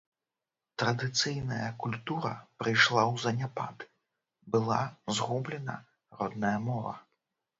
Традыцыйная культура прыйшла ў заняпад, была згублена родная мова.